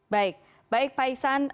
baik baik pak iksan